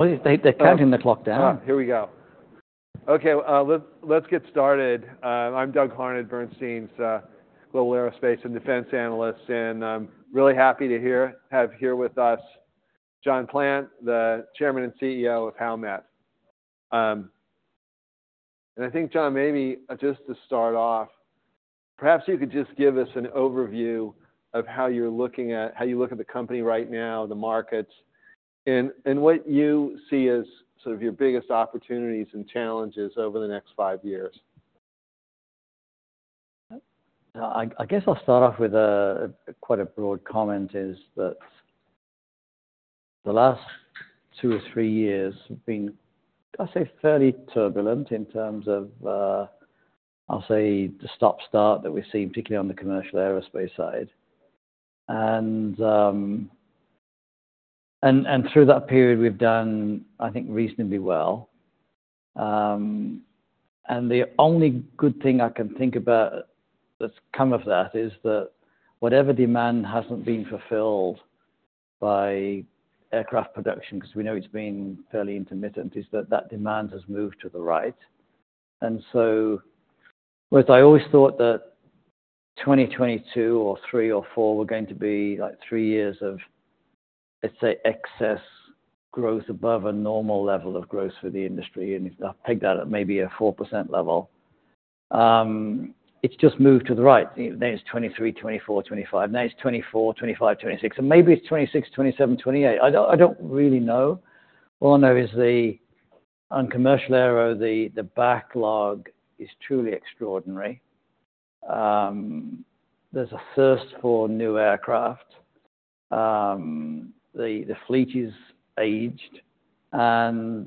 Well, they, they're counting the clock down. Ah, here we go. Okay, let's, let's get started. I'm Doug Harned, Bernstein's global aerospace and defense analyst, and I'm really happy to hear-- have here with us, John Plant, the chairman and CEO of Howmet. And I think, John, maybe just to start off, perhaps you could just give us an overview of how you're looking at-- how you look at the company right now, the markets, and what you see as sort of your biggest opportunities and challenges over the next five years. I guess I'll start off with quite a broad comment, is that the last two or three years have been, I'd say, fairly turbulent in terms of, I'll say, the stop-start that we've seen, particularly on the commercial aerospace side. And through that period, we've done, I think, reasonably well. And the only good thing I can think about that's come of that, is that whatever demand hasn't been fulfilled by aircraft production, because we know it's been fairly intermittent, is that that demand has moved to the right. And so, whereas I always thought that 2022 or 2023 or 2024 were going to be like three years of, let's say, excess growth above a normal level of growth for the industry, and I peg that at maybe a 4% level, it's just moved to the right. Now, it's 2023, 2024, 2025. Now, it's 2024, 2025, 2026, and maybe it's 2026, 2027, 2028. I don't really know. All I know is on commercial aero, the backlog is truly extraordinary. There's a thirst for new aircraft. The fleet is aged, and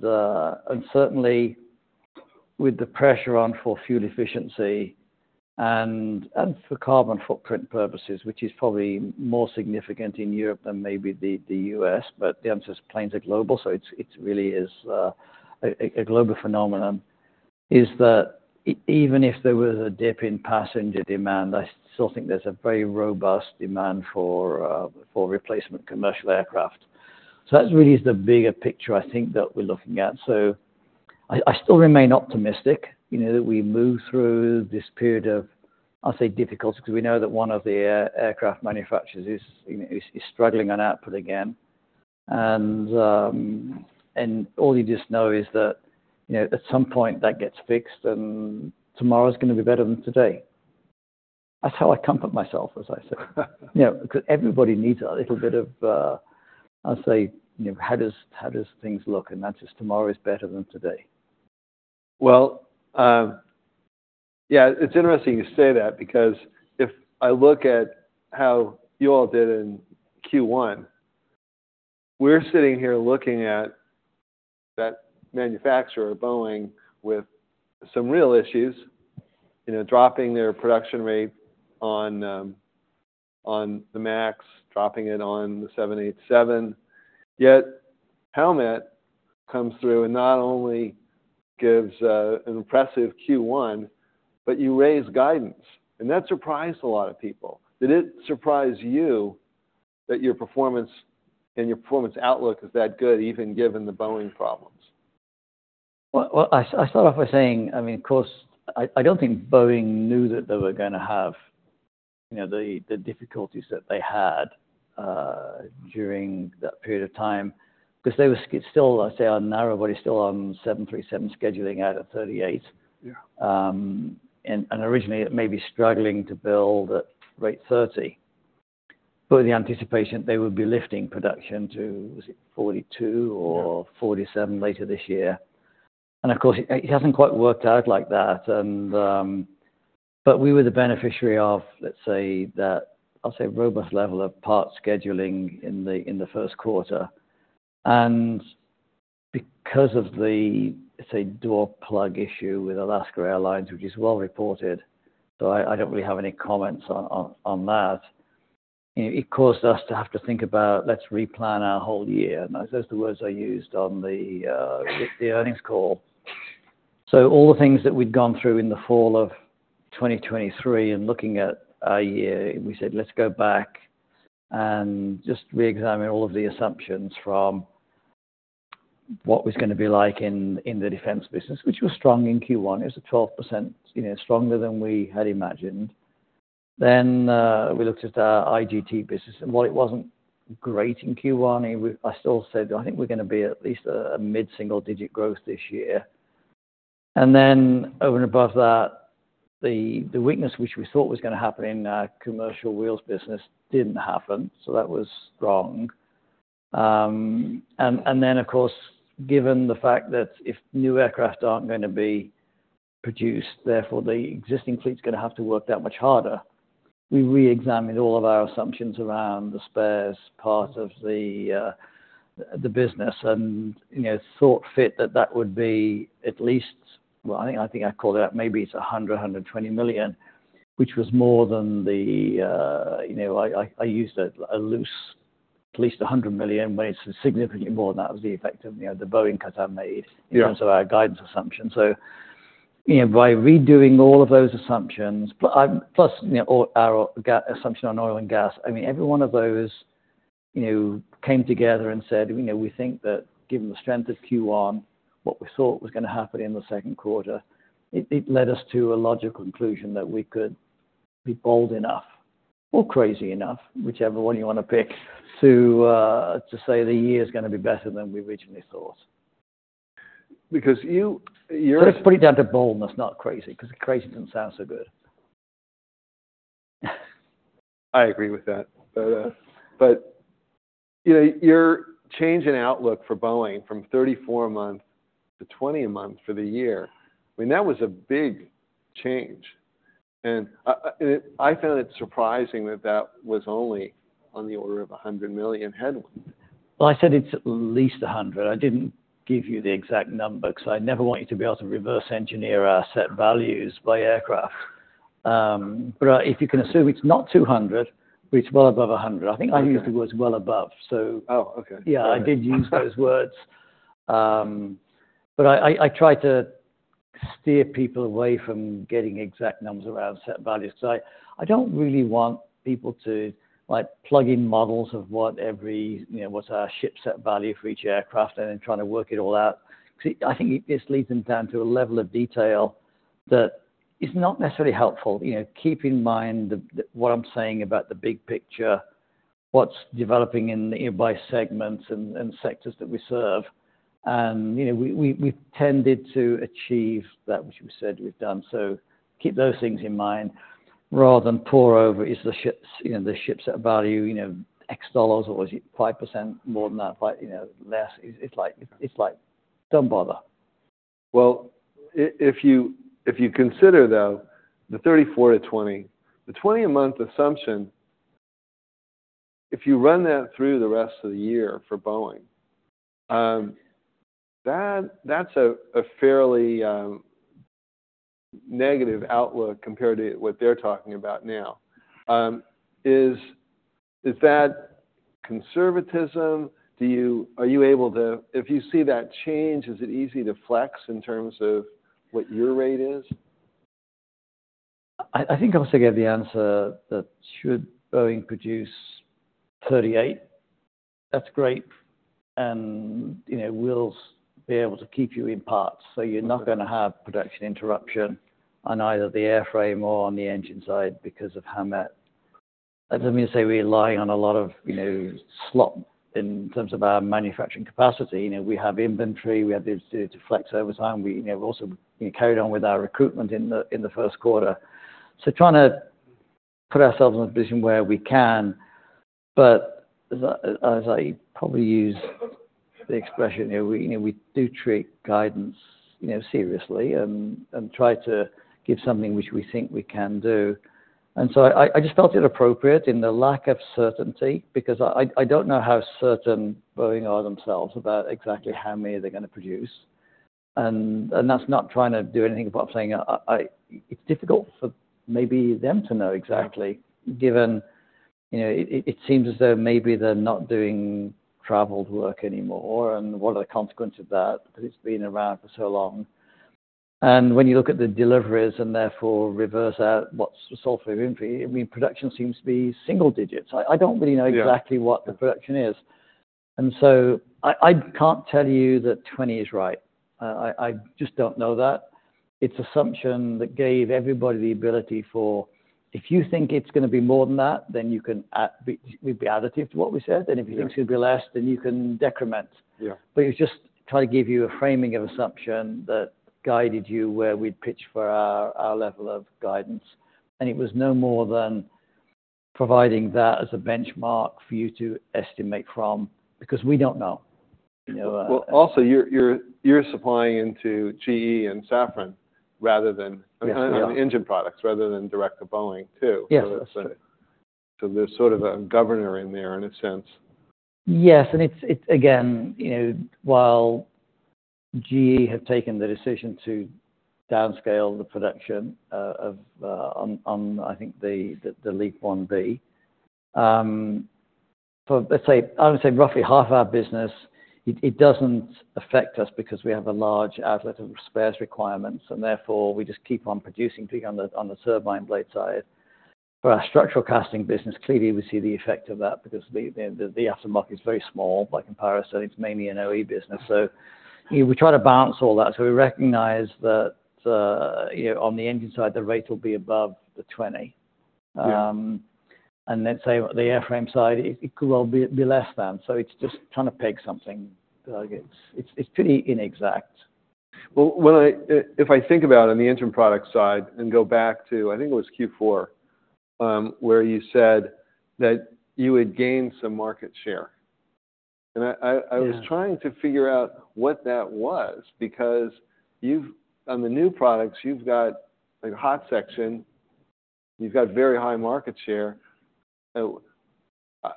certainly, with the pressure on for fuel efficiency and for carbon footprint purposes, which is probably more significant in Europe than maybe the US, but the planes are global, so it really is a global phenomenon, that even if there was a dip in passenger demand, I still think there's a very robust demand for replacement commercial aircraft. So that really is the bigger picture I think that we're looking at. So I still remain optimistic, you know, that we move through this period of, I'll say, difficulty, because we know that one of the aircraft manufacturers is, you know, struggling on output again. And all you just know is that, you know, at some point, that gets fixed, and tomorrow's gonna be better than today. That's how I comfort myself, as I said. You know, because everybody needs a little bit of, I'll say, you know, how does things look? And that's just tomorrow is better than today. Well, yeah, it's interesting you say that, because if I look at how you all did in Q1, we're sitting here looking at that manufacturer, Boeing, with some real issues, you know, dropping their production rate on, on the MAX, dropping it on the 787. Yet, Howmet comes through and not only gives an impressive Q1, but you raise guidance, and that surprised a lot of people. Did it surprise you that your performance and your performance outlook is that good, even given the Boeing problems? Well, I start off by saying, I mean, of course, I don't think Boeing knew that they were gonna have, you know, the difficulties that they had during that period of time, because they were still, I'd say, on narrowbody, still on 737 scheduling out at 38. Yeah. And originally, it may be struggling to build at rate 30, but the anticipation, they would be lifting production to, was it 42 or 47 later this year. And of course, it hasn't quite worked out like that. And but we were the beneficiary of, let's say, that, I'll say, robust level of part scheduling in the first quarter. And because of the, let's say, door plug issue with Alaska Airlines, which is well reported, so I don't really have any comments on that. It caused us to have to think about, "Let's replan our whole year." And those are the words I used on the earnings call. So all the things that we'd gone through in the fall of 2023 and looking at our year, we said, let's go back and just reexamine all of the assumptions from what was gonna be like in the defense business, which was strong in Q1. It was a 12%, you know, stronger than we had imagined. Then we looked at our IGT business, and while it wasn't great in Q1, I still said, I think we're gonna be at least a mid-single digit growth this year. And then over and above that, the weakness which we thought was gonna happen in our commercial wheels business didn't happen, so that was strong. And then, of course, given the fact that if new aircraft aren't gonna be produced, therefore the existing fleet is gonna have to work that much harder, we reexamined all of our assumptions around the spares part of the business and, you know, thought fit that that would be at least. Well, I think I called it out, maybe it's $120 million, which was more than the, you know, I used a loose, at least $100 million, but it's significantly more than that, was the effect of, you know, the Boeing cut I made in terms of our guidance assumption. You know, by redoing all of those assumptions, plus, you know, all our gas assumption on oil and gas, I mean, every one of those, you know, came together and said, you know, we think that given the strength of Q1, what we thought was going to happen in the second quarter, it led us to a logical conclusion that we could be bold enough or crazy enough, whichever one you want to pick, to say the year is going to be better than we originally thought. Because you're— Let's put it down to boldness, not crazy, because crazy doesn't sound so good. I agree with that. But, you know, your change in outlook for Boeing, from 34 a month to 20 a month for the year, I mean, that was a big change, and it, I found it surprising that that was only on the order of $100 million headwind. Well, I said it's at least 100. I didn't give you the exact number, because I never want you to be able to reverse engineer our set values by aircraft. But, if you can assume it's not 200, but it's well above 100. Okay. I think I used the words well above, so- Oh, okay. Yeah, I did use those words. But I tried to steer people away from getting exact numbers around shipset values, so I don't really want people to, like, plug in models of what every, you know, what's our shipset value for each aircraft and then trying to work it all out. Because I think this leads them down to a level of detail that is not necessarily helpful. You know, keep in mind that what I'm saying about the big picture, what's developing in, you know, by segments and sectors that we serve. And, you know, we've tended to achieve that which we've said we've done. So keep those things in mind rather than pore over the shipsets, you know, the shipset value, you know, $X, or is it 5% more than that, 5, you know, less? It's, it's like, it's like, don't bother. Well, if you, if you consider, though, the 34-20, the 20 a month assumption, if you run that through the rest of the year for Boeing, that's a fairly negative outlook compared to what they're talking about now. Is that conservatism? Are you able to, if you see that change, is it easy to flex in terms of what your rate is? I think I must give the answer that should Boeing produce 38, that's great, and, you know, we'll be able to keep you in parts, so you're not gonna have production interruption on either the airframe or on the engine side because of how that, that doesn't mean to say we're relying on a lot of, you know, slot in terms of our manufacturing capacity. You know, we have inventory, we have the ability to flex overtime. We, you know, also, we carried on with our recruitment in the, in the first quarter. So trying to put ourselves in a position where we can, but as I, as I probably use the expression, you know, we, you know, we do treat guidance, you know, seriously and, and try to give something which we think we can do. And so I just felt it appropriate in the lack of certainty, because I don't know how certain Boeing are themselves about exactly how many they're gonna produce. And that's not trying to do anything about saying it's difficult for maybe them to know exactly, given, you know, it seems as though maybe they're not doing traveled work anymore, and what are the consequences of that? Because it's been around for so long. And when you look at the deliveries and therefore reverse out what's the solve for inventory, I mean, production seems to be single digits. I don't really know exactly what the production is. So I can't tell you that 20 is right. I just don't know that. It's assumption that gave everybody the ability for, if you think it's gonna be more than that, then you can be, it'll be additive to what we said. Yeah. If you think it's gonna be less, then you can decrement. Yeah. But it's just try to give you a framing of assumption that guided you where we'd pitch for our level of guidance, and it was no more than providing that as a benchmark for you to estimate from, because we don't know, you know. Well, also, you're supplying into GE and Safran rather than on the engine products, rather than direct to Boeing, too. Yes, that's right. There's sort of a governor in there in a sense. Yes, and it's again, you know, while GE have taken the decision to downscale the production of the LEAP-1B, for, let's say, I would say roughly half of our business, it doesn't affect us because we have a large outlet of spares requirements, and therefore, we just keep on producing, particularly on the turbine blade side. For our structural casting business, clearly, we see the effect of that because the aftermarket is very small, like in by comparison, so it's mainly an OE business. So, you know, we try to balance all that. So we recognize that, you know, on the engine side, the rate will be above the 20. Yeah. And let's say, the airframe side, it could well be less than. So it's just trying to peg something. Like it's pretty inexact. Well, well, I, if I think about on the interim product side and go back to, I think it was Q4, where you said that you had gained some market share. Yeah I was trying to figure out what that was, because you've, on the new products, you've got like a hot section, you've got very high market share.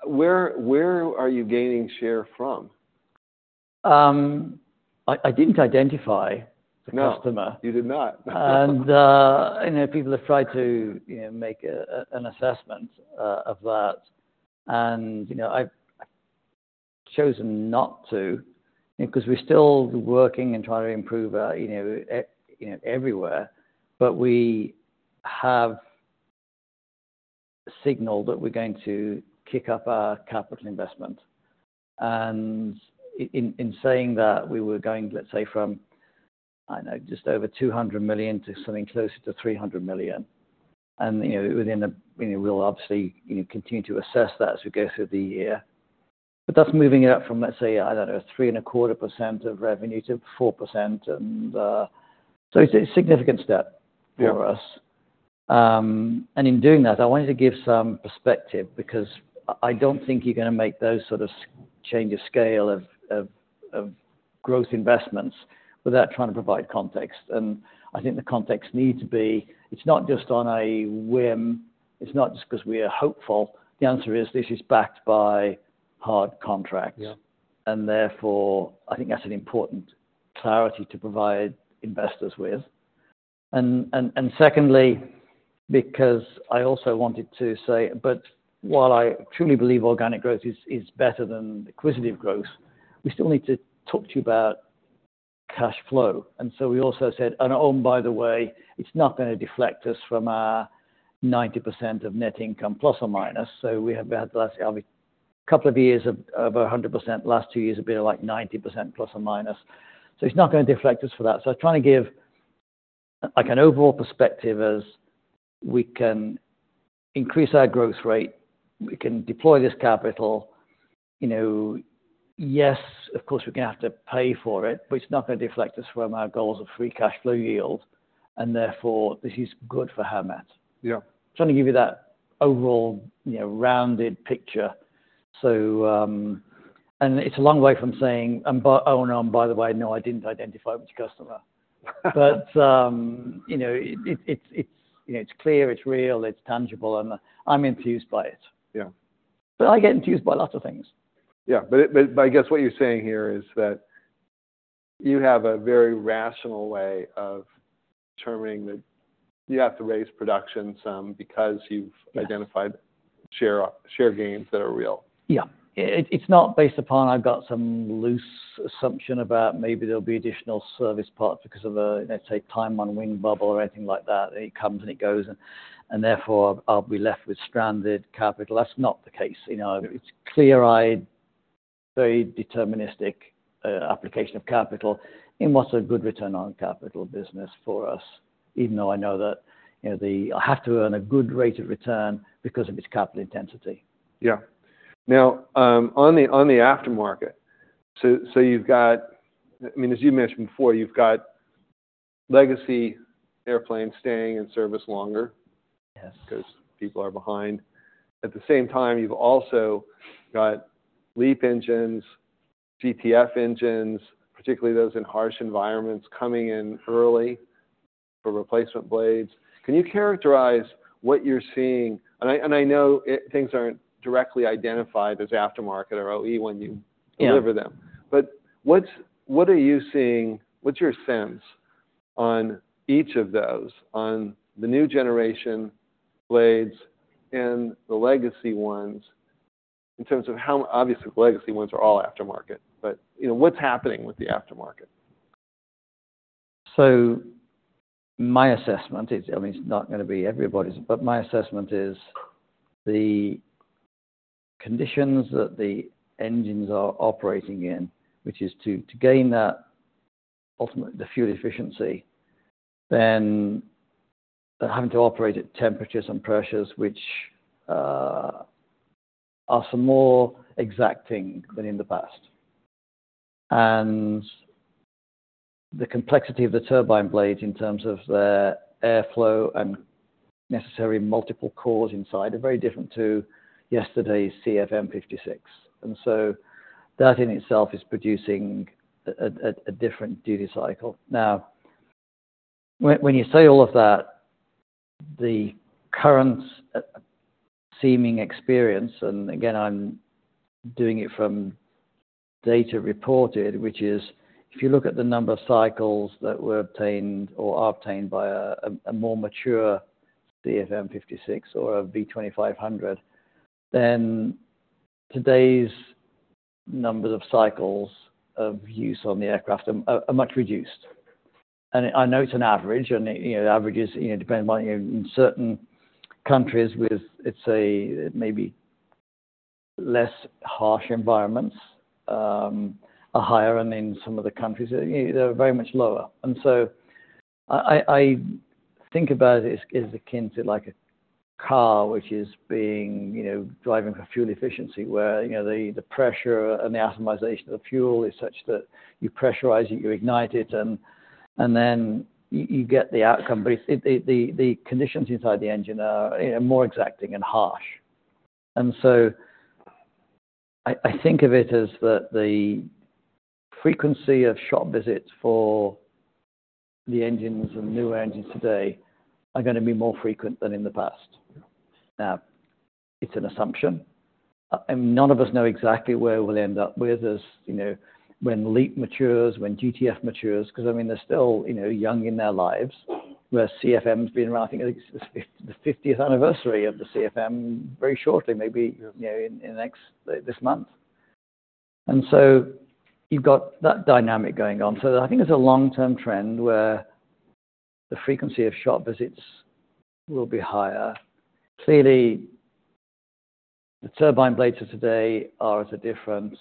Where, where are you gaining share from? I didn't identify the customer. You did not. You know, people have tried to, you know, make an assessment of that. You know, I've chosen not to, because we're still working and trying to improve our, you know, everywhere. But we have signaled that we're going to kick up our capital investment. And in saying that, we were going, let's say from, I don't know, just over $200 million to something closer to $300 million. And, you know, we'll obviously, you know, continue to assess that as we go through the year. But that's moving it up from, let's say, I don't know, 3.25% of revenue to 4%, so it's a significant step for us. In doing that, I wanted to give some perspective because I don't think you're gonna make those sort of change of scale of growth investments without trying to provide context. And I think the context needs to be, it's not just on a whim, it's not just because we are hopeful. The answer is, this is backed by hard contracts. Yeah. And therefore, I think that's an important clarity to provide investors with. And secondly, because I also wanted to say, but while I truly believe organic growth is better than acquisitive growth, we still need to talk to you about cash flow. And so we also said, and, oh, by the way, it's not gonna deflect us from our 90% of net income, plus or minus. So we have had the last couple of years of 100%, last two years have been, like, 90% plus or minus. So it's not gonna deflect us for that. So I'm trying to give, like, an overall perspective as we can increase our growth rate, we can deploy this capital. You know, yes, of course, we're gonna have to pay for it, but it's not gonna deflect us from our goals of free cash flow yield, and therefore, this is good for Howmet. Yeah. Trying to give you that overall, you know, rounded picture. So, and it's a long way from saying, and by the way, no, I didn't identify which customer. But, you know, it's clear, it's real, it's tangible, and I'm enthused by it. Yeah. But I get enthused by lots of things. Yeah, but I guess what you're saying here is that you have a very rational way of determining that you have to raise production some because you've identified share, share gains that are real. Yeah. It's not based upon. I've got some loose assumption about maybe there'll be additional service parts because of a, let's say, time on wing bubble or anything like that. It comes and it goes, and therefore, I'll be left with stranded capital. That's not the case. You know, it's clear eye, very deterministic, application of capital in what's a good return on capital business for us, even though I know that, you know, the-- I have to earn a good rate of return because of its capital intensity. Yeah. Now, on the aftermarket, so you've got—I mean, as you mentioned before, you've got legacy airplanes staying in service longer 'cause people are behind. At the same time, you've also got LEAP engines, GTF engines, particularly those in harsh environments, coming in early for replacement blades. Can you characterize what you're seeing? And I know it, things aren't directly identified as aftermarket or OE when you deliver them. But what's, what are you seeing? What's your sense on each of those, on the new generation blades and the legacy ones, in terms of how, obviously, the legacy ones are all aftermarket, but, you know, what's happening with the aftermarket? So my assessment is, I mean, it's not gonna be everybody's, but my assessment is the conditions that the engines are operating in, which is to gain that, ultimately, the fuel efficiency, then they're having to operate at temperatures and pressures, which are some more exacting than in the past. And the complexity of the turbine blade in terms of their airflow and necessary multiple cores inside are very different to yesterday's CFM56. And so that in itself is producing a different duty cycle. Now, when you say all of that, the current seeming experience, and again, I'm doing it from data reported, which is if you look at the number of cycles that were obtained or are obtained by a more mature CFM56 or a V2500, then today's numbers of cycles of use on the aircraft are much reduced. And I know it's an average, and, you know, averages, you know, depend on, you know, in certain countries with, let's say, maybe less harsh environments, are higher, and in some of the countries, they're very much lower. And so I think about it as akin to like a car, which is being, you know, driving for fuel efficiency, where, you know, the pressure and the atomization of the fuel is such that you pressurize it, you ignite it, and then you get the outcome. But the conditions inside the engine are more exacting and harsh. And so I think of it as that the frequency of shop visits for the engines and new engines today are gonna be more frequent than in the past. Now, it's an assumption, and none of us know exactly where we'll end up with this, you know, when LEAP matures, when GTF matures, because, I mean, they're still, you know, young in their lives. Where CFM's been around, I think, it's the fiftieth anniversary of the CFM, very shortly, maybe, you know, in the next this month. And so you've got that dynamic going on. So I think it's a long-term trend where the frequency of shop visits will be higher. Clearly, the turbine blades of today are at a different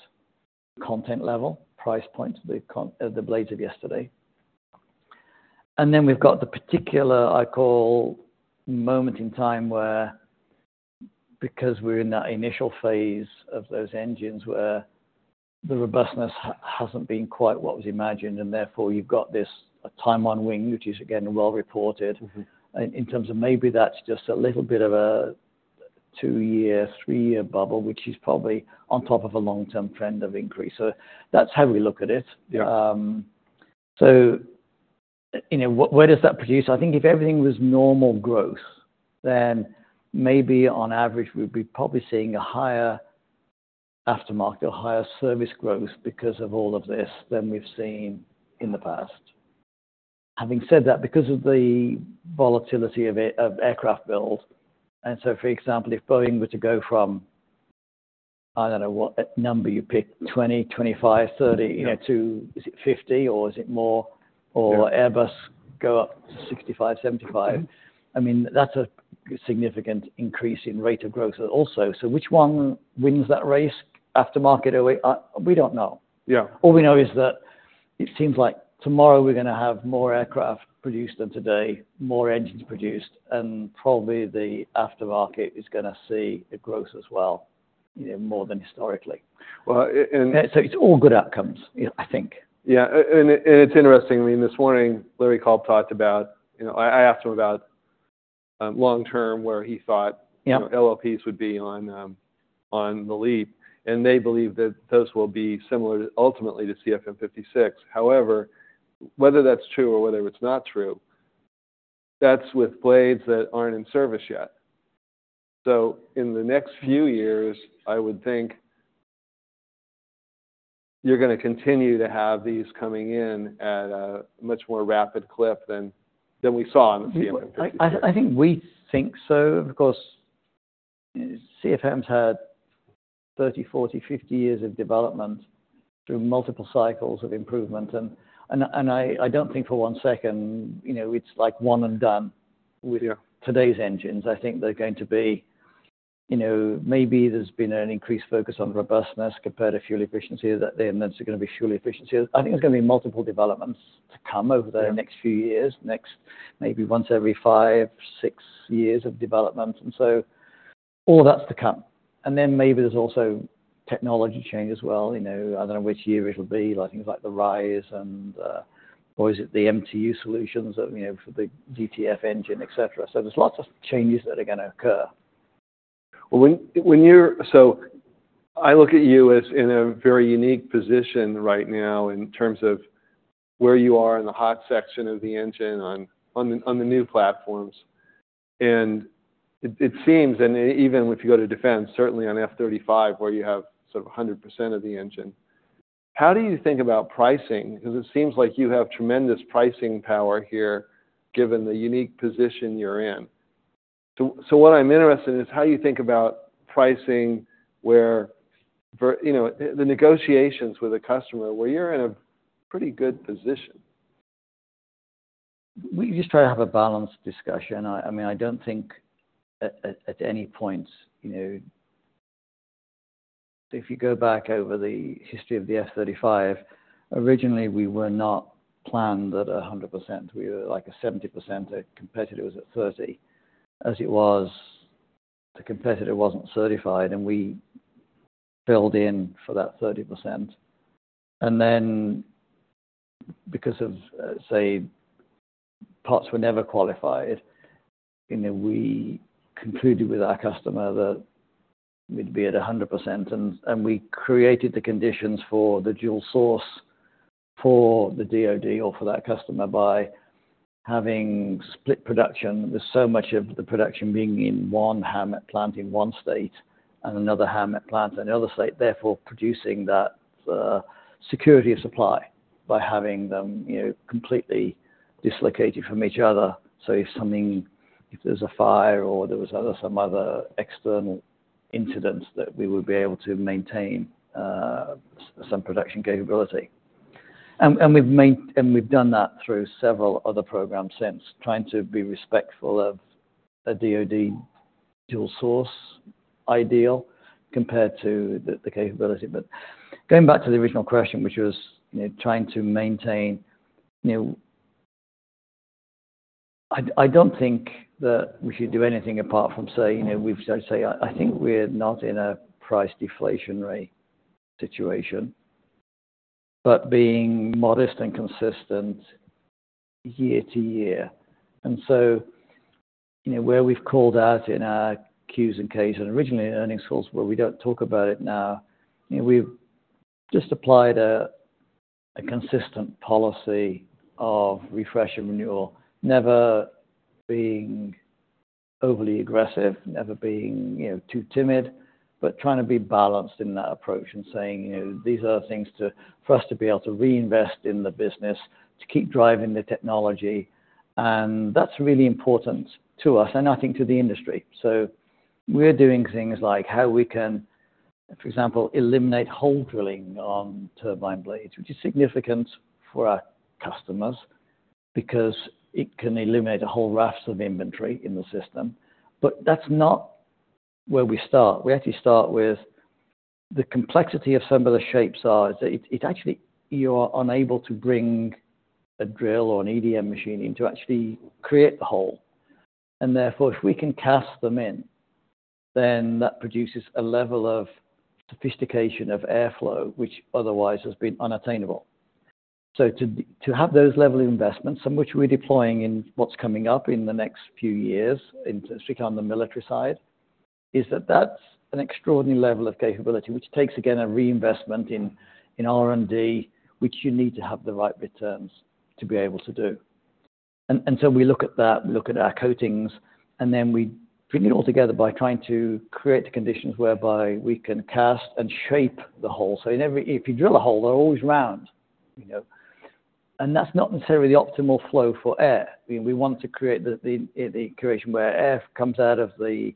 content level, price point to the content, the blades of yesterday. Then we've got the particular, I call, moment in time, where because we're in that initial phase of those engines, where the robustness hasn't been quite what was imagined, and therefore, you've got this, a time on wing, which is, again, well reported. Mm-hmm. In terms of maybe that's just a little bit of a 2-year, 3-year bubble, which is probably on top of a long-term trend of increase. So that's how we look at it. Yeah. So, you know, where does that produce? I think if everything was normal growth, then maybe on average, we'd be probably seeing a higher aftermarket or higher service growth because of all of this than we've seen in the past. Having said that, because of the volatility of a, of aircraft build, and so for example, if Boeing were to go from, I don't know what number you pick, 20, 25, 30, you know, to, is it 50, or is it more? Yeah. Or Airbus go up to 65, 75. Mm-hmm. I mean, that's a significant increase in rate of growth also. So which one wins that race aftermarket or we, we don't know. Yeah. All we know is that it seems like tomorrow we're gonna have more aircraft produced than today, more engines produced, and probably the aftermarket is gonna see a growth as well, you know, more than historically. Well, It's all good outcomes, you know, I think. Yeah, and it's interesting. I mean, this morning, Larry Culp talked about, you know... I asked him about, long term, where he thought LLPs would be on, on the LEAP, and they believe that those will be similar to, ultimately to CFM56. However, whether that's true or whether it's not true, that's with blades that aren't in service yet. So in the next few years, I would think you're gonna continue to have these coming in at a much more rapid clip than we saw in the CFM56. I think we think so. Of course, CFM's had 30, 40, 50 years of development through multiple cycles of improvement, and I don't think for one second, you know, it's like one and done with today's engines. I think they're going to be, you know, maybe there's been an increased focus on robustness compared to fuel efficiency, that then there's gonna be fuel efficiency. I think there's gonna be multiple developments to come over the next few years, next, maybe once every five, six years of development, and so all that's to come. And then maybe there's also technology change as well, you know, I don't know which year it'll be, like, things like the RISE and, or is it the MTU solutions that you know, for the GTF engine, et cetera. So there's lots of changes that are gonna occur. Well, so I look at you as in a very unique position right now, in terms of where you are in the hot section of the engine on the new platforms. And it seems, and even if you go to defense, certainly on F-35, where you have sort of 100% of the engine, how do you think about pricing? Because it seems like you have tremendous pricing power here, given the unique position you're in. So what I'm interested in is how you think about pricing, you know, the negotiations with the customer, where you're in a pretty good position. We just try to have a balanced discussion. I mean, I don't think at any point, you know, if you go back over the history of the F-35, originally we were not planned at 100%. We were like a 70%, our competitor was at 30%. As it was, the competitor wasn't certified, and we filled in for that 30%. And then because of, say, parts were never qualified, you know, we concluded with our customer that we'd be at 100%, and we created the conditions for the dual source for the DoD or for that customer by having split production, with so much of the production being in one Howmet plant in one state and another Howmet plant in the other state, therefore, producing that security of supply by having them, you know, completely dislocated from each other. So if something, if there's a fire or there was other, some other external incidents, that we would be able to maintain some production capability. And we've done that through several other programs since, trying to be respectful of a DoD dual source ideal compared to the capability. But going back to the original question, which was, you know, trying to maintain, you know. I don't think that we should do anything apart from saying, you know, I'd say, I think we're not in a price deflationary situation, but being modest and consistent year-to-year. So, you know, where we've called out in our Qs and Ks and originally in earnings calls, where we don't talk about it now, you know, we've just applied a consistent policy of refresh and renewal, never being overly aggressive, never being, you know, too timid, but trying to be balanced in that approach and saying, you know, these are things for us to be able to reinvest in the business, to keep driving the technology. And that's really important to us and I think to the industry. So we're doing things like how we can, for example, eliminate hole drilling on turbine blades, which is significant for our customers because it can eliminate a whole raft of inventory in the system. But that's not where we start. We actually start with the complexity of some of the shapes. It actually you're unable to bring a drill or an EDM machine in to actually create the hole. And therefore, if we can cast them in, then that produces a level of sophistication of airflow, which otherwise has been unattainable. So to have those level investments, some which we're deploying in what's coming up in the next few years in, particularly on the military side, is that that's an extraordinary level of capability, which takes, again, a reinvestment in R&D, which you need to have the right returns to be able to do. And so we look at that, we look at our coatings, and then we bring it all together by trying to create the conditions whereby we can cast and shape the hole. So if you drill a hole, they're always round, you know, and that's not necessarily the optimal flow for air. We want to create the creation where air comes out of the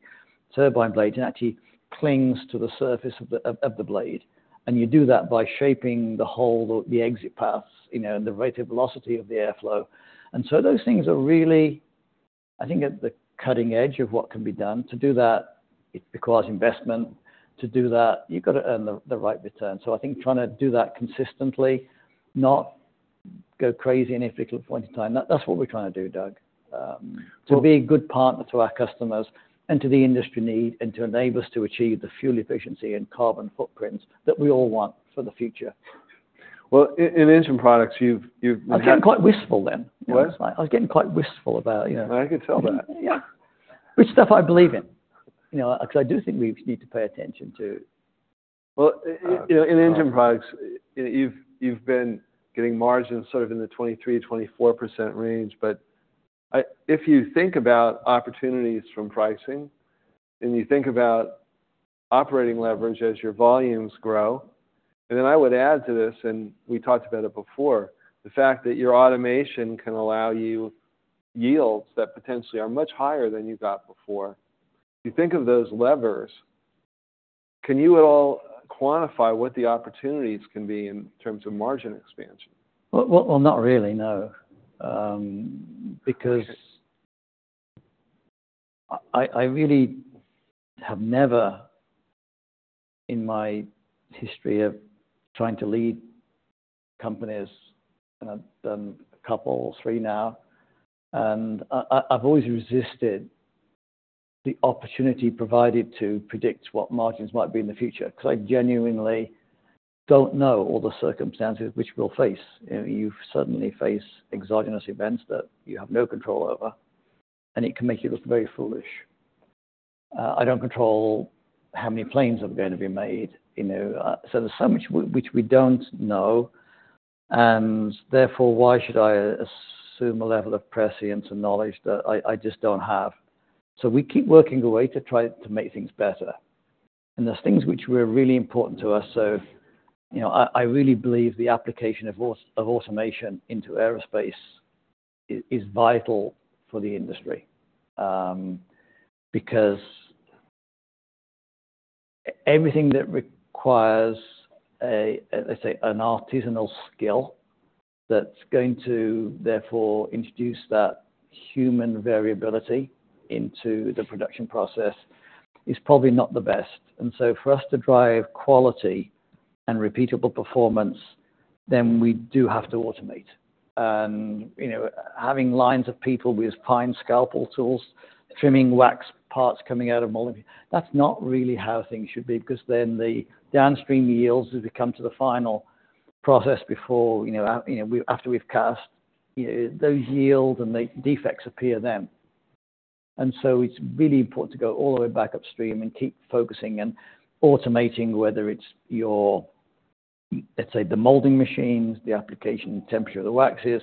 turbine blade and actually clings to the surface of the blade. And you do that by shaping the hole or the exit paths, you know, and the rate of velocity of the airflow. And so those things are really, I think, at the cutting edge of what can be done. To do that, it requires investment. To do that, you've got to earn the right return. So I think trying to do that consistently, not go crazy in a particular point in time, that's what we're trying to do, Doug. Well- To be a good partner to our customers and to the industry need, and to enable us to achieve the fuel efficiency and carbon footprints that we all want for the future. Well, in Engine Products, you've- I'm getting quite wistful then. What? I was getting quite wistful about, you know. I can tell that. Yeah. Which stuff I believe in, you know, because I do think we need to pay attention to. Well, you know, in Engine Products, you've been getting margins sort of in the 23%-24% range. But if you think about opportunities from pricing, and you think about operating leverage as your volumes grow, and then I would add to this, and we talked about it before, the fact that your automation can allow you yields that potentially are much higher than you got before. You think of those levers, can you at all quantify what the opportunities can be in terms of margin expansion? Well, well, well, not really, no. Because I really have never, in my history of trying to lead companies, and I've done a couple, three now, and I've always resisted the opportunity provided to predict what margins might be in the future, because I genuinely don't know all the circumstances which we'll face. You know, you certainly face exogenous events that you have no control over, and it can make you look very foolish. I don't control how many planes are going to be made, you know? So there's so much which we don't know, and therefore, why should I assume a level of prescience and knowledge that I just don't have? So we keep working our way to try to make things better. And there's things which were really important to us. So, you know, I really believe the application of of automation into aerospace is vital for the industry, because everything that requires a, let's say, an artisanal skill, that's going to therefore introduce that human variability into the production process is probably not the best. And so for us to drive quality and repeatable performance, then we do have to automate. And, you know, having lines of people with fine scalpel tools, trimming wax, parts coming out of molding, that's not really how things should be, because then the downstream yields, as we come to the final process before, you know, you know, after we've cast, you know, those yields and the defects appear then. And so it's really important to go all the way back upstream and keep focusing and automating, whether it's your, let's say, the molding machines, the application temperature of the waxes,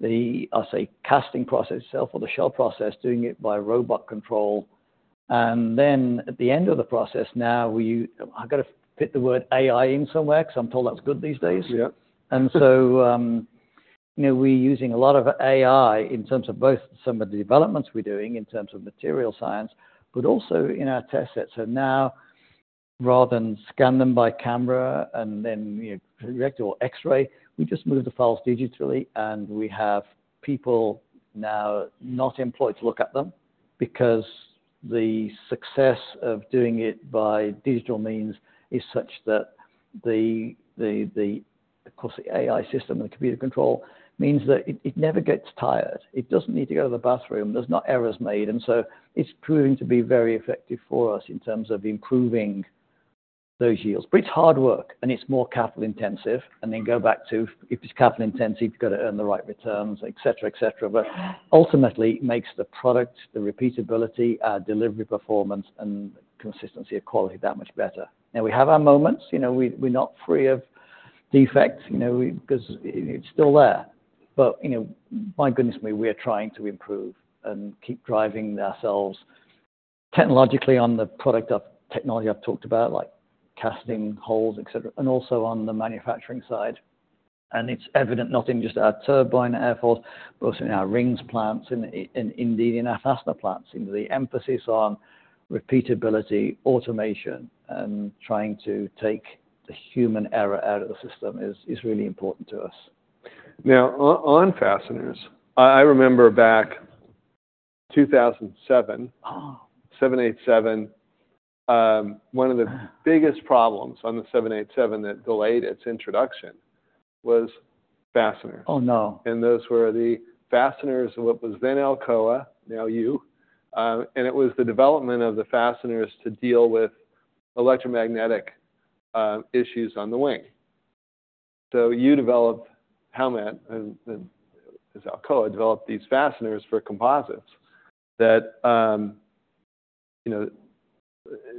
the, I'll say, casting process itself or the shell process, doing it by robot control. And then at the end of the process now, we, I've got to fit the word AI in somewhere because I'm told that's good these days. Yeah. And so, you know, we're using a lot of AI in terms of both some of the developments we're doing in terms of material science, but also in our test sets. So now, rather than scan them by camera and then, you know, project or X-ray, we just move the files digitally, and we have people now not employed to look at them, because the success of doing it by digital means is such that, of course, the AI system and computer control means that it never gets tired. It doesn't need to go to the bathroom. There's no errors made, and so it's proving to be very effective for us in terms of improving those yields. But it's hard work, and it's more capital intensive, and then go back to, if it's capital intensive, you've got to earn the right returns, et cetera, et cetera. But ultimately, it makes the product, the repeatability, our delivery performance, and consistency of quality that much better. Now, we have our moments, you know, we're not free of defects, you know, because it's still there. But, you know, my goodness, we are trying to improve and keep driving ourselves technologically, on the product of technology I've talked about, like casting holes, et cetera, and also on the manufacturing side. And it's evident not in just our turbine airfoils, but also in our rings plants and indeed in our fastener plants. In the emphasis on repeatability, automation, and trying to take the human error out of the system is really important to us. Now, on fasteners, I remember back 2007 787, one of the biggest problems on the 787 that delayed its introduction was fasteners. Oh, no. And those were the fasteners of what was then Alcoa, now you. And it was the development of the fasteners to deal with electromagnetic issues on the wing. So you developed Howmet, and, and as Alcoa, developed these fasteners for composites that, you know,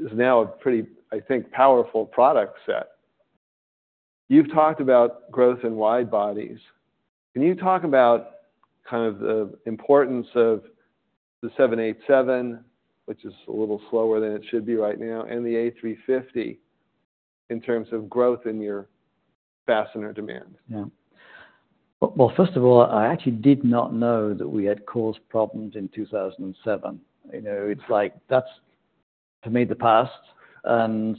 is now a pretty, I think, powerful product set. You've talked about growth in wide bodies. Can you talk about kind of the importance of the 787, which is a little slower than it should be right now, and the A350, in terms of growth in your fastener demand? Yeah. Well, well, first of all, I actually did not know that we had caused problems in 2007. You know, it's like, that's, to me, the past, and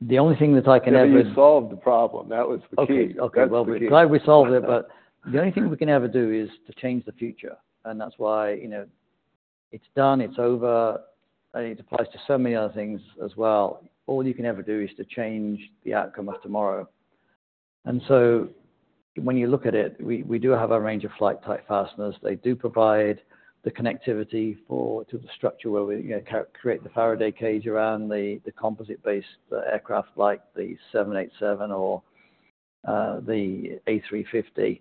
the only thing that I can ever- But you solved the problem. That was the key. Okay. That's the key. Okay. Well, we're glad we solved it, but the only thing we can ever do is to change the future, and that's why, you know, it's done, it's over, and it applies to so many other things as well. All you can ever do is to change the outcome of tomorrow. And so when you look at it, we do have a range of flight-type fasteners. They do provide the connectivity for, to the structure where we, you know, create the Faraday cage around the composite-based aircraft like the 787 or the A350.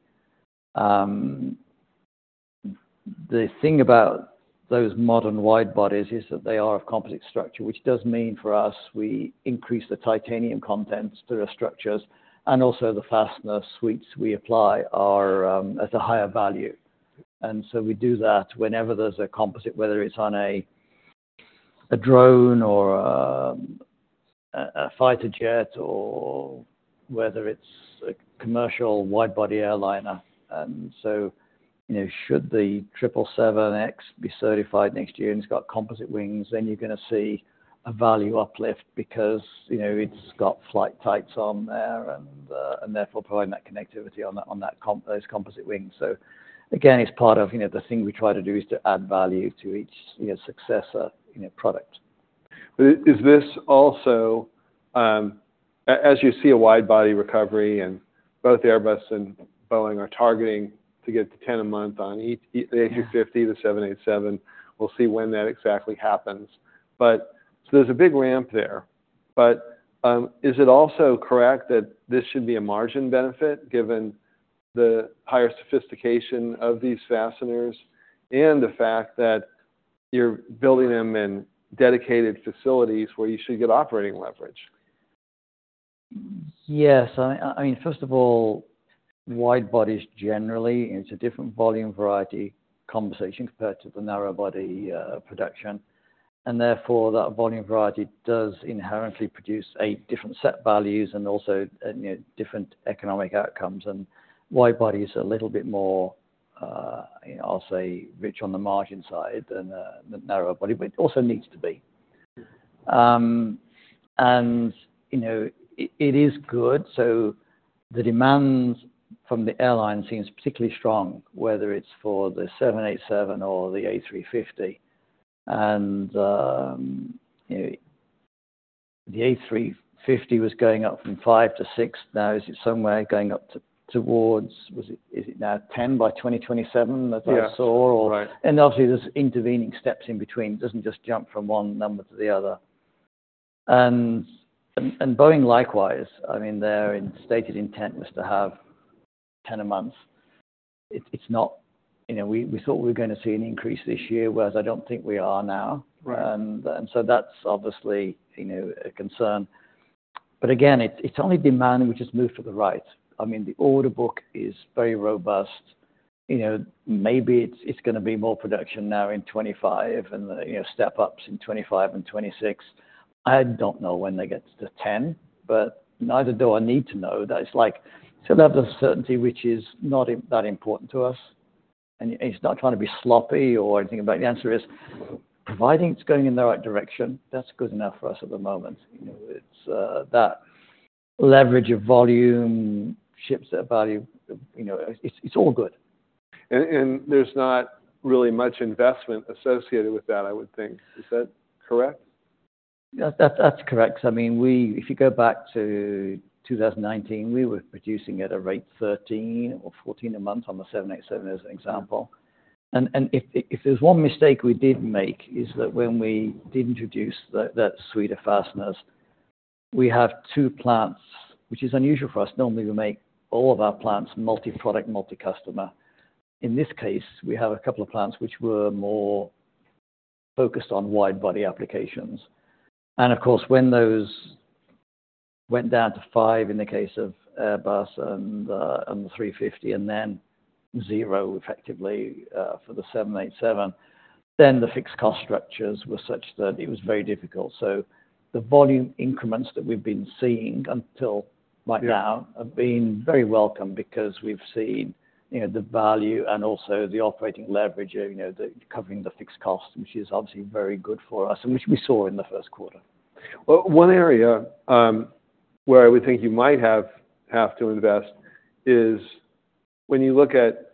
The thing about those modern wide bodies is that they are of composite structure, which does mean for us, we increase the titanium content to the structures, and also the fastener suites we apply are at a higher value. And so we do that whenever there's a composite, whether it's on a drone or a fighter jet, or whether it's a commercial wide-body airliner. And so, you know, should the 777X be certified next year, and it's got composite wings, then you're gonna see a value uplift because, you know, it's got flight types on there, and therefore, providing that connectivity on those composite wings. So again, it's part of, you know, the thing we try to do is to add value to each, you know, successor in a product. But is this also, as you see, a wide-body recovery, and both Airbus and Boeing are targeting to get to 10 a month on each, the A350, the 787. We'll see when that exactly happens. But, so there's a big ramp there. But, is it also correct that this should be a margin benefit, given the higher sophistication of these fasteners and the fact that you're building them in dedicated facilities where you should get operating leverage? Yes. I mean, first of all, wide bodies, generally, it's a different volume variety conversation compared to the narrow body production, and therefore, that volume variety does inherently produce a different set of values and also, you know, different economic outcomes. And wide body is a little bit more, you know, I'll say, rich on the margin side than the narrow body, but it also needs to be. And you know, it is good. So the demands from the airline seems particularly strong, whether it's for the 787 or the A350. And, you know, the A350 was going up from 5 to 6. Now, is it somewhere going up to towards... Was it-- Is it now 10 by 2027, as I saw? Yeah. Or- Right. And obviously, there's intervening steps in between. It doesn't just jump from one number to the other. And Boeing, likewise, I mean, their stated intent was to have 10 a month. It's not, you know, we, we thought we were gonna see an increase this year, whereas I don't think we are now. Right. So that's obviously, you know, a concern. But again, it's only demand, which has moved to the right. I mean, the order book is very robust. You know, maybe it's gonna be more production now in 2025 and, you know, step ups in 2025 and 2026. I don't know when they get to 10, but neither do I need to know. That is like, it's a level of certainty, which is not that important to us, and it's not trying to be sloppy or anything, but the answer is, providing it's going in the right direction, that's good enough for us at the moment. You know, it's that leverage of volume, shipset value, you know, it's all good. And there's not really much investment associated with that, I would think. Is that correct? Yeah, that's correct. I mean, if you go back to 2019, we were producing at a rate, 13 or 14 a month on the 787, as an example. And if there's one mistake we did make, is that when we did introduce that suite of fasteners, we have two plants, which is unusual for us. Normally, we make all of our plants multi-product, multi-customer. In this case, we have a couple of plants which were more focused on wide-body applications. And of course, when those went down to 5 in the case of Airbus and the 350, and then 0 effectively, for the 787. Then the fixed cost structures were such that it was very difficult. So the volume increments that we've been seeing until right now have been very welcome because we've seen, you know, the value and also the operating leverage, you know, the covering the fixed costs, which is obviously very good for us, and which we saw in the first quarter. Well, one area where I would think you might have to invest is when you look at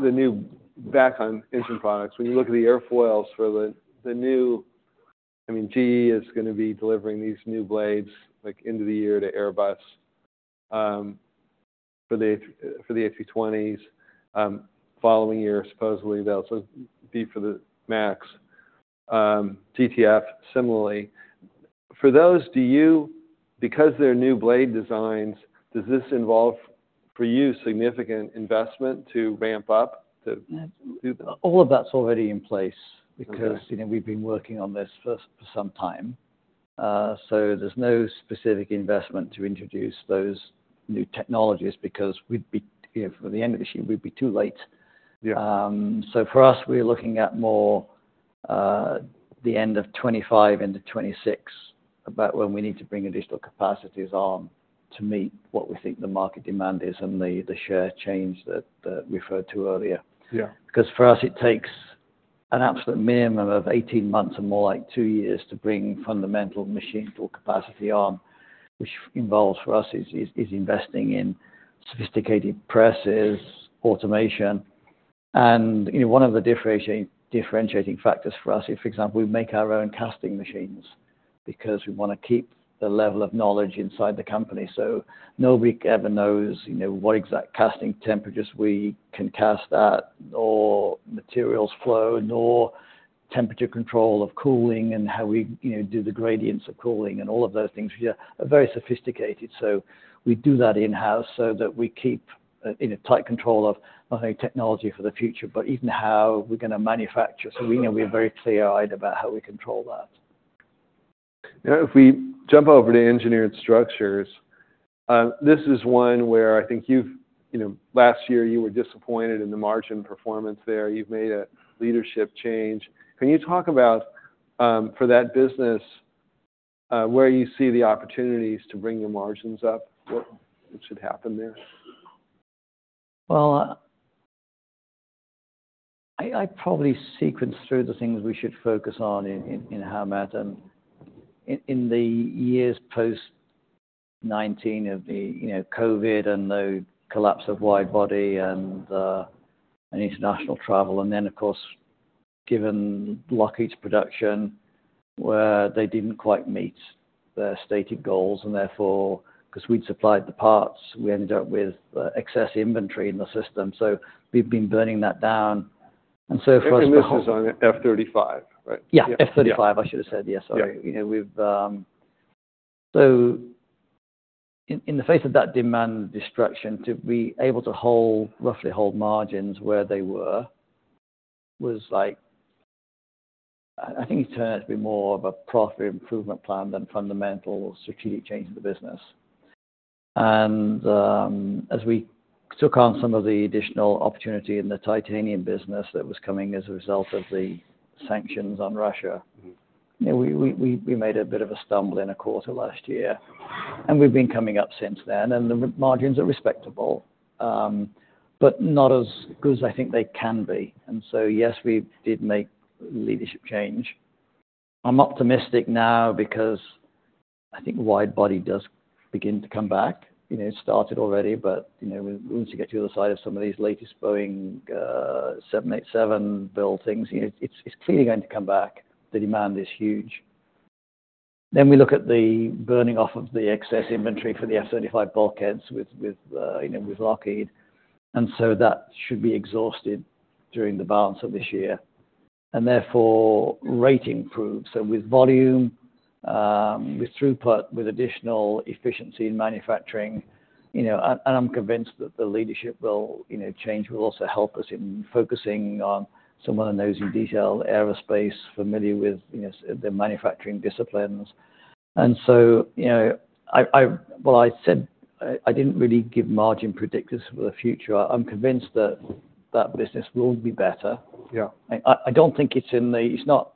the new back-end engine products, when you look at the airfoils for the new—I mean, GE is gonna be delivering these new blades, like, end of the year to Airbus for the A320s. Following year, supposedly, they'll also be for the MAX, GTF, similarly. For those, do you—Because they're new blade designs, does this involve, for you, significant investment to ramp up, to do? All of that's already in place because, you know, we've been working on this for some time. So there's no specific investment to introduce those new technologies because we'd be, you know, by the end of this year, we'd be too late. Yeah. So for us, we're looking at more the end of 2025 into 2026, about when we need to bring additional capacities on to meet what we think the market demand is and the share change that referred to earlier. Yeah. Because for us, it takes an absolute minimum of 18 months or more like two years to bring fundamental machine tool capacity on, which involves for us investing in sophisticated presses, automation. You know, one of the differentiating factors for us is, for example, we make our own casting machines because we wanna keep the level of knowledge inside the company. So nobody ever knows, you know, what exact casting temperatures we can cast at, or materials flow, nor temperature control of cooling and how we, you know, do the gradients of cooling and all of those things, which are very sophisticated. So we do that in-house so that we keep in a tight control of not only technology for the future, but even how we're gonna manufacture. So we, you know, we're very clear-eyed about how we control that. Now, if we jump over to Engineered Structures, this is one where I think you've. You know, last year, you were disappointed in the margin performance there. You've made a leadership change. Can you talk about, for that business, where you see the opportunities to bring the margins up? What should happen there? Well, I probably sequenced through the things we should focus on in Howmet and in the years post-2019 of the, you know, COVID and the collapse of wide body and international travel. And then, of course, given Lockheed's production, where they didn't quite meet their stated goals, and therefore, because we'd supplied the parts, we ended up with excess inventory in the system. So we've been burning that down. And so for us to- This is on F-35, right? Yeah, F-35, I should have said. Yes, sorry. Yeah. You know, we've so in the face of that demand destruction, to be able to hold, roughly hold margins where they were, was like, I think it turned out to be more of a profit improvement plan than fundamental strategic change in the business. And as we took on some of the additional opportunity in the titanium business that was coming as a result of the sanctions on Russia- Mm-hmm. You know, we made a bit of a stumble in a quarter last year, and we've been coming up since then, and the margins are respectable, but not as good as I think they can be. And so, yes, we did make leadership change. I'm optimistic now because I think wide body does begin to come back. You know, it's started already, but, you know, once you get to the other side of some of these latest Boeing seven eight seven build things, you know, it's clearly going to come back. The demand is huge. Then we look at the burning off of the excess inventory for the F-35 bulkheads with Lockheed, and so that should be exhausted during the balance of this year, and therefore, rate improve. So with volume, with throughput, with additional efficiency in manufacturing, you know, and I'm convinced that the leadership will, you know, change, will also help us in focusing on someone who knows in detail aerospace, familiar with, you know, the manufacturing disciplines. So, you know,, well, I said, I didn't really give margin predictors for the future. I'm convinced that that business will be better. Yeah. I don't think it's in the. It's not,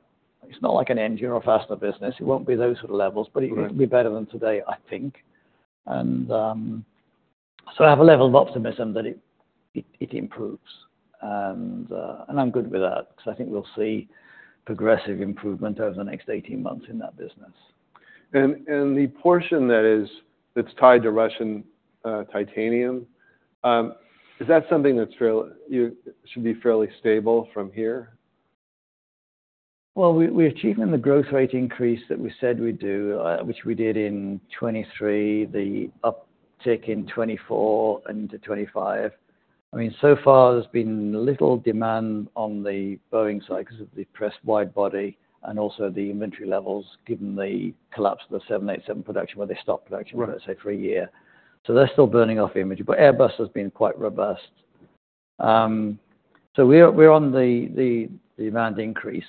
it's not like an engine or a fastener business. It won't be those sort of levels but it will be better than today, I think. So I have a level of optimism that it improves. And I'm good with that because I think we'll see progressive improvement over the next 18 months in that business. And the portion that is, that's tied to Russian titanium, is that something that's fairly should be fairly stable from here? Well, we, we're achieving the growth rate increase that we said we'd do, which we did in 2023, the uptick in 2024 and into 2025. I mean, so far there's been little demand on the Boeing side because of the pressed wide body and also the inventory levels, given the collapse of the 787 production, where they stopped production- Right... let's say, for a year. So they're still burning off the inventory, but Airbus has been quite robust. So we are, we're on the amount increase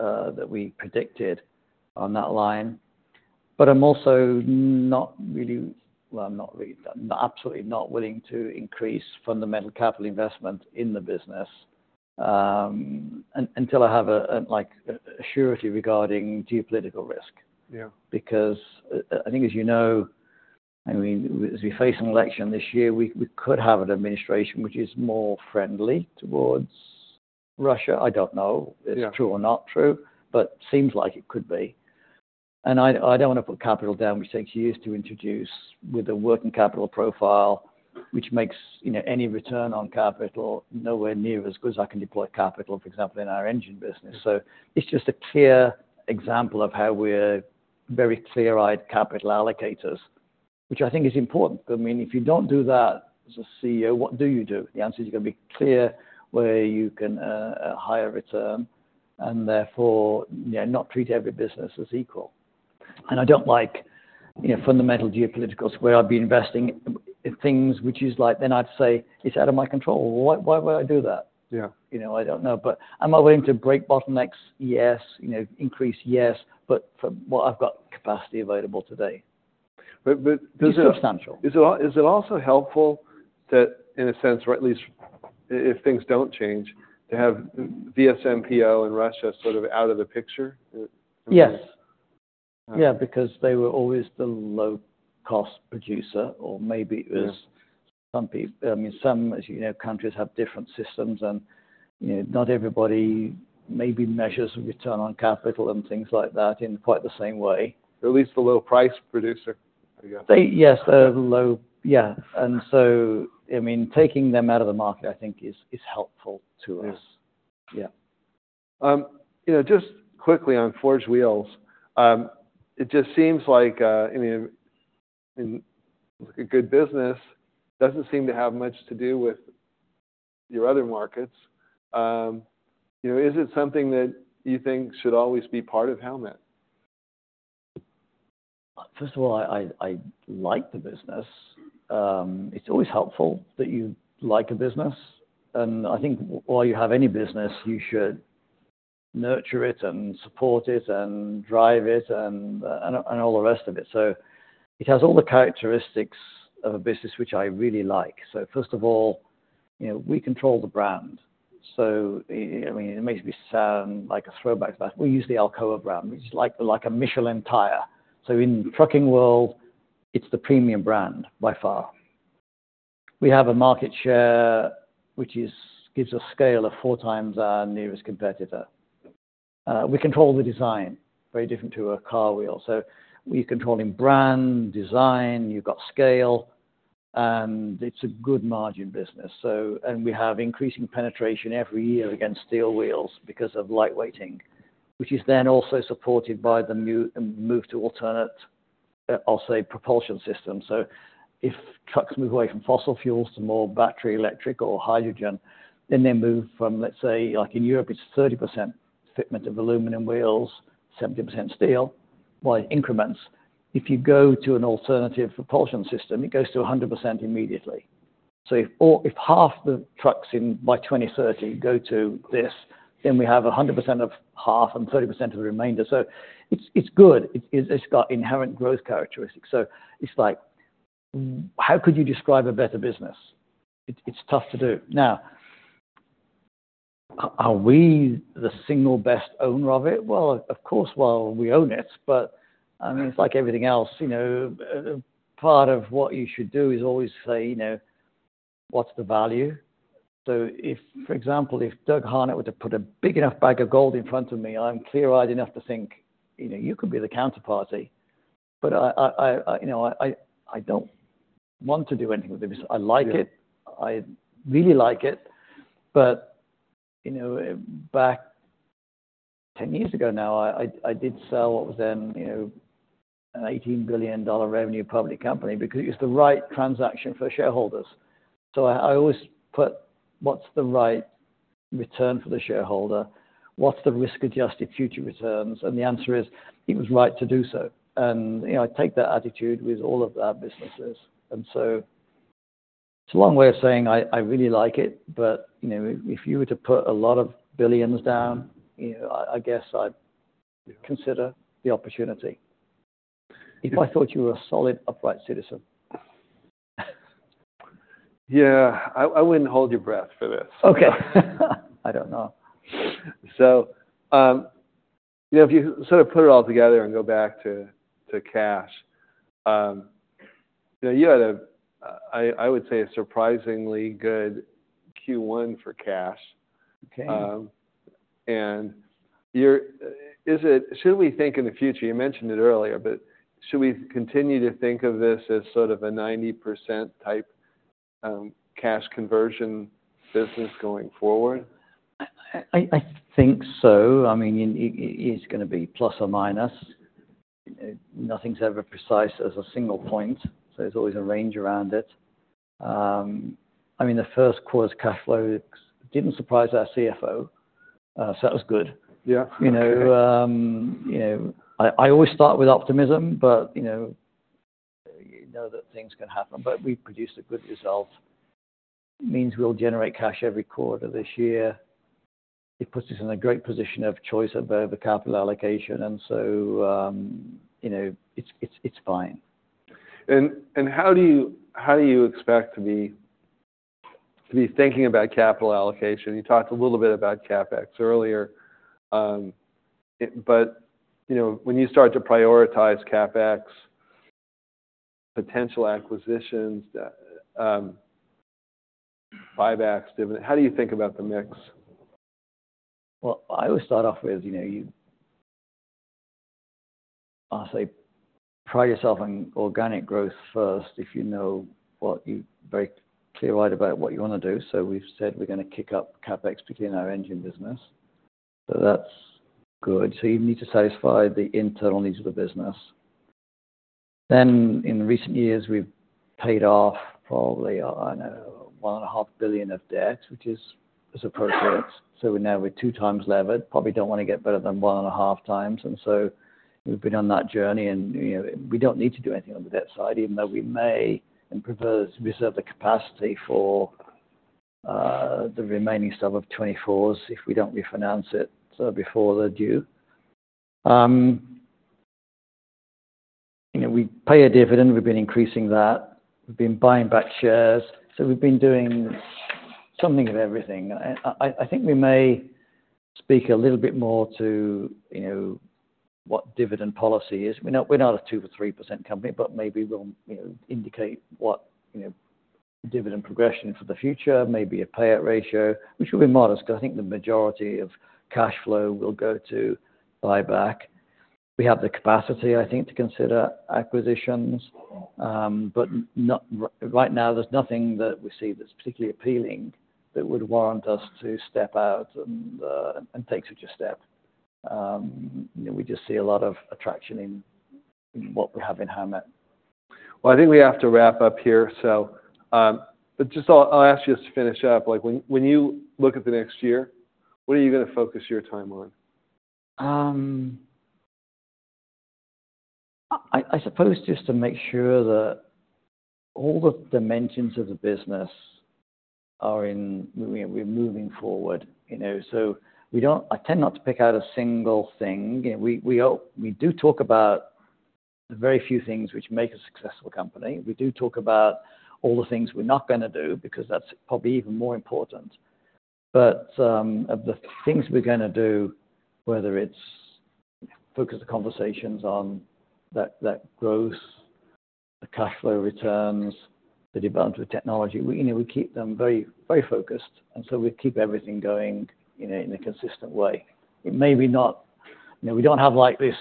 that we predicted on that line. But I'm also not really, well, I'm not really. I'm absolutely not willing to increase fundamental capital investment in the business, until I have a like a surety regarding geopolitical risk. Yeah. Because I think, as you know, I mean, as we face an election this year, we could have an administration which is more friendly toward Russia. I don't know if it's true or not true, but seems like it could be. I don't wanna put capital down, which takes years to introduce with a working capital profile, which makes, you know, any return on capital nowhere near as good as I can deploy capital, for example, in our engine business. It's just a clear example of how we're very clear-eyed capital allocators, which I think is important. I mean, if you don't do that as a CEO, what do you do? The answer is, you gotta be clear where you can, higher return, and therefore, you know, not treat every business as equal. I don't like, you know, fundamental geopolitical where I'd be investing in things which is like, then I'd say it's out of my control. Why, why would I do that? Yeah. You know, I don't know. But am I willing to break bottlenecks? Yes. You know, increase, yes, but from what I've got capacity available today. But does it- It's substantial. Is it also helpful that in a sense, or at least if things don't change, to have VSMPO in Russia, sort of out of the picture? Yes. Yeah, because they were always the low-cost producer, or maybe it was- Yeah... some, I mean, as you know, countries have different systems, and, you know, not everybody maybe measures return on capital and things like that in quite the same way. At least the low price producer, I guess. They, yes, they're low. Yeah. So, I mean, taking them out of the market, I think is helpful to us. Yeah. Yeah. You know, just quickly on Forged Wheels. It just seems like, I mean, in a good business, doesn't seem to have much to do with your other markets. You know, is it something that you think should always be part of Howmet? First of all, I like the business. It's always helpful that you like a business, and I think while you have any business, you should nurture it and support it and drive it and, and, and all the rest of it. So it has all the characteristics of a business, which I really like. So first of all, you know, we control the brand. So, I mean, it makes me sound like a throwback, but we use the Alcoa brand, which is like, like a Michelin tire. So in trucking world, it's the premium brand by far. We have a market share, which is—gives a scale of four times our nearest competitor. We control the design, very different to a car wheel. So we controlling brand, design, you've got scale, and it's a good margin business. So... We have increasing penetration every year against steel wheels because of light weighting, which is then also supported by the new move to alternate, I'll say, propulsion system. So if trucks move away from fossil fuels to more battery, electric or hydrogen, then they move from, let's say, like in Europe, it's 30% fitment of aluminum wheels, 70% steel, by increments. If you go to an alternative propulsion system, it goes to 100% immediately. So if all, if half the trucks in by 2030 go to this, then we have 100% of half and 30% of the remainder. So it's, it's got inherent growth characteristics. So it's like: how could you describe a better business? It, it's tough to do. Now, are, are we the single best owner of it? Well, of course, we own it, but I mean, it's like everything else, you know, part of what you should do is always say, you know, "What's the value?" So if, for example, if Doug Harned were to put a big enough bag of gold in front of me, I'm clear-eyed enough to think, you know, you could be the counterparty, but I, you know, I don't want to do anything with the business. I like it. Yeah. I really like it. But, you know, back 10 years ago now, I, I did sell what was then, you know, an $18 billion revenue public company because it's the right transaction for shareholders. So I, I always put what's the right return for the shareholder? What's the risk-adjusted future returns? And the answer is: It was right to do so. And, you know, I take that attitude with all of our businesses. And so it's a long way of saying I, I really like it, but, you know, if you were to put a lot of billions down, you know, I, I guess I'd- Yeah... consider the opportunity. If I thought you were a solid, upright citizen. Yeah, I wouldn't hold your breath for this. Okay. I don't know. So, you know, if you sort of put it all together and go back to cash, you know, you had, I would say, a surprisingly good Q1 for cash. Okay. And should we think in the future, you mentioned it earlier, but should we continue to think of this as sort of a 90% type, cash conversion business going forward? I think so. I mean, it's gonna be plus or minus. Nothing's ever precise as a single point, so there's always a range around it. I mean, the first quarter's cash flows didn't surprise our CFO, so that was good. Yeah. You know, you know, I always start with optimism, but, you know, you know that things can happen, but we produced a good result. Means we'll generate cash every quarter this year. It puts us in a great position of choice above a capital allocation, and so, you know, it's fine. How do you expect to be thinking about capital allocation? You talked a little bit about CapEx earlier. But, you know, when you start to prioritize CapEx, potential acquisitions, buybacks, dividend, how do you think about the mix? Well, I always start off with, you know, I'll say, pride yourself on organic growth first, if you're very clear-eyed about what you wanna do. So we've said we're gonna kick up CapEx between our engine business. So that's good. So you need to satisfy the internal needs of the business. Then, in recent years, we've paid off probably, I know, $1.5 billion of debt, which is appropriate. So now we're 2x levered. Probably don't wanna get better than 1.5x, and so we've been on that journey, and, you know, we don't need to do anything on the debt side, even though we may and prefer to reserve the capacity for the remaining sum of 2024s, if we don't refinance it, so before they're due. You know, we pay a dividend, we've been increasing that. We've been buying back shares, so we've been doing something of everything. I think we may speak a little bit more to, you know, what dividend policy is. We're not a 2%-3% company, but maybe we'll, you know, indicate what, you know, dividend progression for the future, maybe a payout ratio, which will be modest, because I think the majority of cash flow will go to buyback. We have the capacity, I think, to consider acquisitions, but not right now, there's nothing that we see that's particularly appealing that would warrant us to step out and take such a step. You know, we just see a lot of attraction in what we have in hand now. Well, I think we have to wrap up here, so, but just I'll ask you just to finish up. Like, when you look at the next year, what are you gonna focus your time on? I suppose just to make sure that all the dimensions of the business are in, we're moving forward, you know, so we don't... I tend not to pick out a single thing. We all, we do talk about the very few things which make a successful company. We do talk about all the things we're not gonna do, because that's probably even more important. But, of the things we're gonna do, whether it's focus the conversations on that growth, the cash flow returns, the development of technology, you know, we keep them very, very focused, and so we keep everything going in a consistent way. It may not be, you know, we don't have, like, this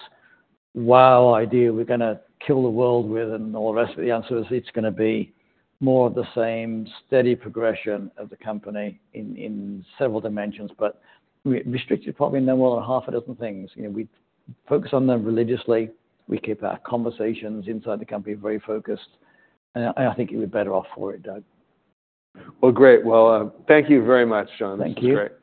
wow idea we're gonna kill the world with and all the rest of the answer is it's gonna be more of the same steady progression of the company in, in several dimensions, but we restrict it probably no more than half a dozen things. You know, we focus on them religiously. We keep our conversations inside the company very focused, and I, I think it would be better off for it, Doug. Well, great. Well, thank you very much, John. Thank you.